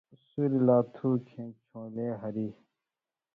سُوریۡ لا تُھو کھیں چھون٘لے ہری،